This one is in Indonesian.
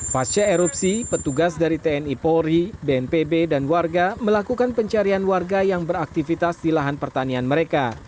pasca erupsi petugas dari tni polri bnpb dan warga melakukan pencarian warga yang beraktivitas di lahan pertanian mereka